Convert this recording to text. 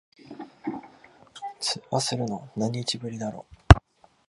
通話するの、何日ぶりだろ。